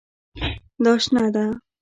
دا شنه ده